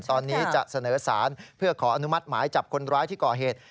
ตอนนี้จะเสนอสารเพื่อขออนุมัติหมายจับคนร้ายที่ก่อเหตุ